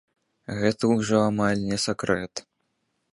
Гэта ўжо амаль не сакрэт.